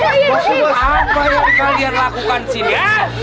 kamu semua apa yang kalian lakukan sini ya